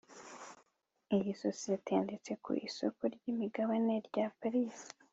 iyi sosiyete yanditse ku isoko ryimigabane rya paris